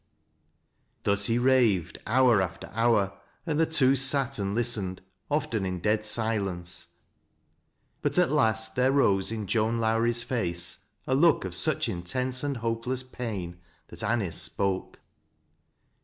343 Thus he raved hour after hour; and the two sat and listened, often in dead silence ; but at last there rose ii: Joan Lowrie's face a look of such intense and hopeless pain, that Anice spoke.